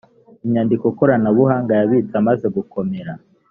inyandiko koranabuhanga yabitse amaze gukomera